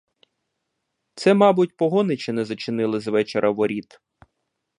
Це, мабуть, погоничі не зачинили звечора воріт.